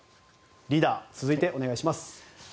リーダー、続いてお願いします。